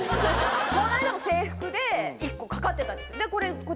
この間も制服で１個掛かってたんです。